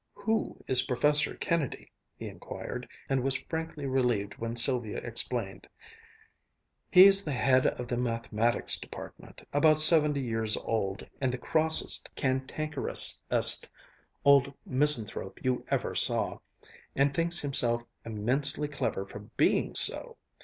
"Who is Professor Kennedy?" he inquired; and was frankly relieved when Sylvia explained: "He's the head of the Mathematics Department, about seventy years old, and the crossest, cantankerousest old misanthrope you ever saw. And thinks himself immensely clever for being so!